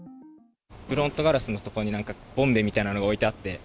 フロントガラスの所に、なんかボンベみたいなのが置いてあって。